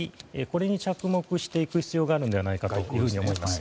これに着目していく必要があるのではないかと思います。